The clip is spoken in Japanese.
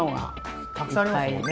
たくさんありますもんね。